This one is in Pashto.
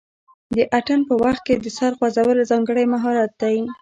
د اتن په وخت کې د سر خوځول ځانګړی مهارت دی.